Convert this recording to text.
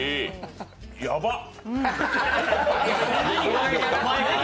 やばっ！